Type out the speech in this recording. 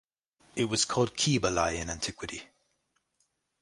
It was called Cibalae in antiquity.